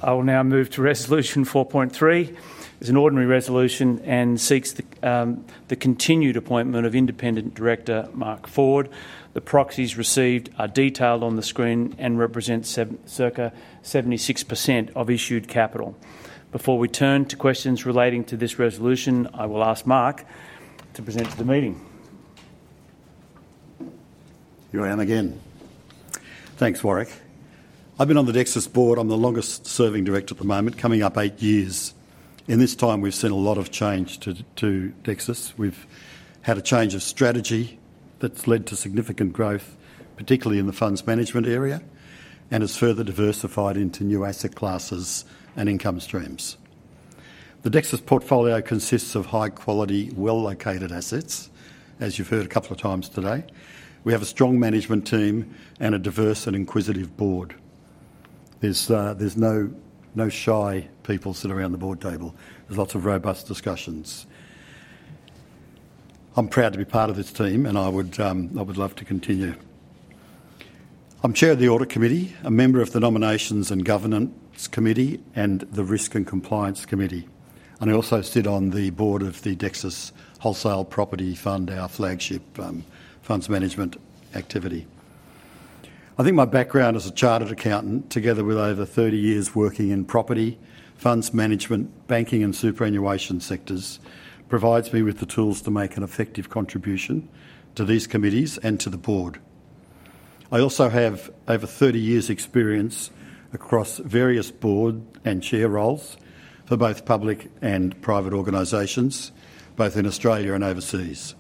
I will now move to resolution 4.3. It's an ordinary resolution and seeks the continued appointment of Independent Director Mark Ford. The proxies received are detailed on the screen and represent circa 76% of issued capital. Before we turn to questions relating to this resolution, I will ask Mark to present to the meeting. Here I am again. Thanks, Warwick. I've been on the Dexus Board. I'm the longest serving director at the moment. Coming up eight years in this time we've seen a lot of change to Dexus. We've had a change of strategy that's led to significant growth, particularly in the funds management area, and has further diversified into new asset classes and income streams. The Dexus portfolio consists of high quality, well located assets. As you've heard a couple of times today, we have a strong management team and a diverse and inquisitive board. There's no shy people sitting around the board table. There's lots of robust discussions. I'm proud to be part of this team and I would love to continue. I'm Chair of the Audit Committee, a member of the Nominations and Governance Committee and the Risk and Compliance Committee and I also sit on the Board of the Dexus Wholesale Property Fund, our flagship funds management activity. I think my background as a Chartered Accountant, together with over 30 years working in property funds management, banking and superannuation sectors, provides me with the tools to make an effective contribution to these committees and to the Board. I also have over 30 years experience across various board and chair roles for both public and private organizations both in Australia and overseas.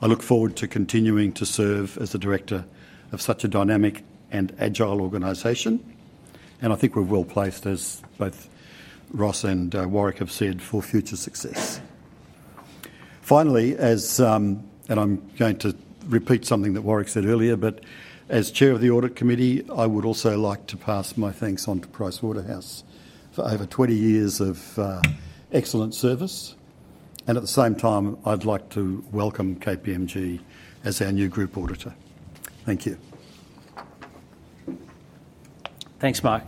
I look forward to continuing to serve as the Director of such a dynamic and agile organization and I think we're well placed, as both Ross and Warwick have said, for future success. Finally, and I'm going to repeat something that Warwick said earlier, but as Chair of the Audit Committee, I would also like to pass my thanks on to PricewaterhouseCoopers for over 20 years of excellent service, and at the same time I'd like to welcome KPMG as our new Group Auditor. Thank you. Thanks, Mark.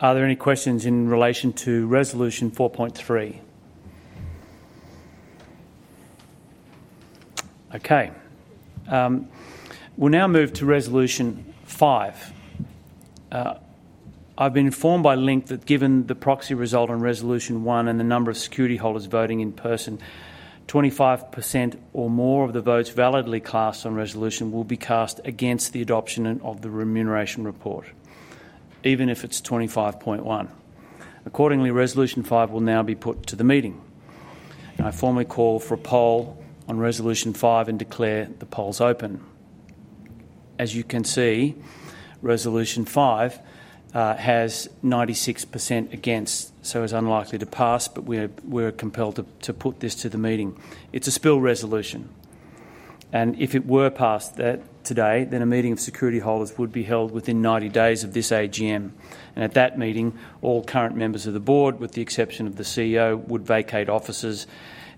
Are there any questions in relation to Resolution 4.3? Okay, we'll now move to Resolution 5. I've been informed by Link that given the proxy result on Resolution 1 and the number of security holders voting in person, 25% or more of the votes validly cast on Resolution will be cast against the adoption of the remuneration report, even if it's 25 point. Accordingly, Resolution 5 will now be put to the meeting. I formally call for a poll on Resolution 5 and declare the polls open. As you can see, Resolution 5 has 96% against, so is unlikely to pass. But we're compelled to put this to the meeting. It's a spill resolution and if it were passed today, then a meeting of security holders would be held within 90 days of this AGM, and at that meeting, all current members of the board, with the exception of the CEO, would vacate offices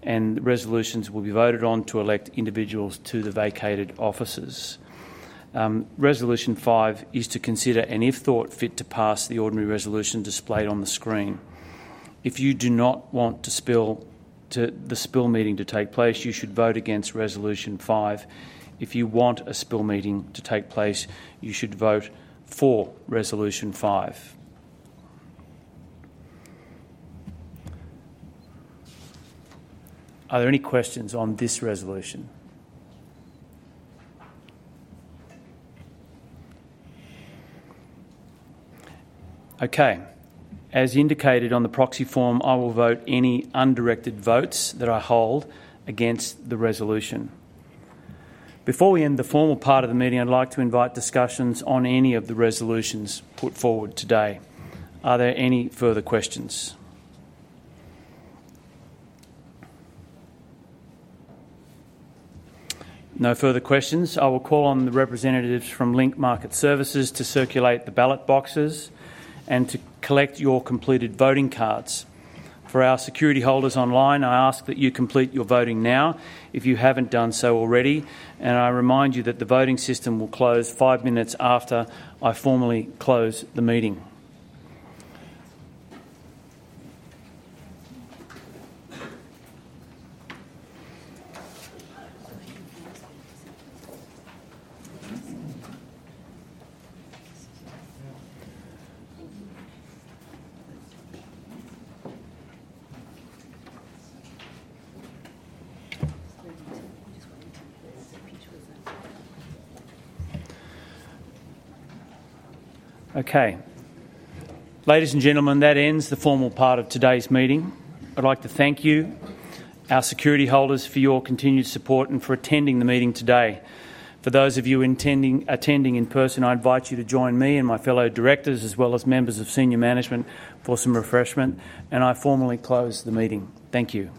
and resolutions will be voted on to elect individuals to the vacated offices. Resolution 5 is to consider and if thought fit, to pass the ordinary resolution displayed on the screen. If you do not want the spill meeting to take place, you should vote against resolution four. If you want a spill meeting to take place, you should vote for Resolution 5. Are there any questions on this resolution? Okay. As indicated on the proxy form, I will vote any undirected votes that I hold against the resolution. Before we end the formal part of the meeting, I'd like to invite discussions on any of the resolutions put forward today. Are there any further questions? No further questions. I will call on the representatives from Link Market Services to circulate the ballot boxes and to collect your completed voting cards for our security holders online. I ask that you complete your voting now, if you haven't done so already, and I remind you that the voting system will close five minutes after I formally close the meeting. Okay, ladies and gentlemen, that ends the formal part of today's meeting. I'd like to thank you, our security holders, for your continued support and for attending the meeting today. For those of you attending in person, I invite you to join me and my fellow directors, as well as members of senior management for some refreshment, and I formally close the meeting. Thank you.